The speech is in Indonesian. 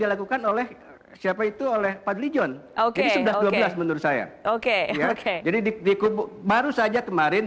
dikutukan oleh siapa itu oleh pak dijon oke sudah dua belas menurut saya oke jadi dikubur baru saja kemarin